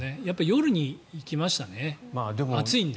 夜に行きましたね、暑いので。